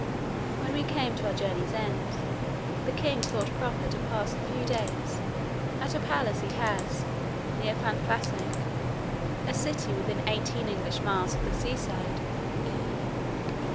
When we came to our journey's end, the king thought proper to pass a few days at a palace he has near Flanflasnic, a city within eighteen English miles of the seaside.